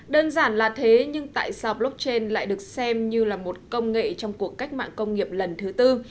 đơn giản là thế nhưng tại sao blockchain lại được xem như là một công nghệ trong cuộc cách mạng công nghiệp lần thứ tư